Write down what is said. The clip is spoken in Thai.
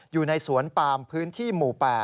อยู่ในสวนปามพื้นที่หมู่๘